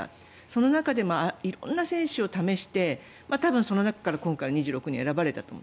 その中で色んな選手を選んで多分、その中から今回の２６人が選ばれたと。